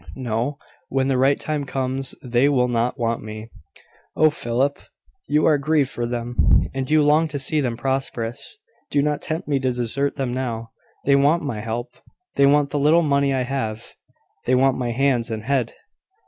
"No: when the right time comes, they will not want me. Oh, Philip! you are grieved for them, and you long to see them prosperous. Do not tempt me to desert them now. They want my help; they want the little money I have; they want my hands and head.